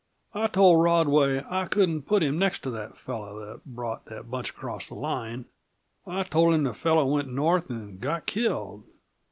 I told Rodway I couldn't put him next to the fellow that brought that bunch across the line. I told him the fellow went north and got killed.